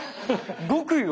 極意を？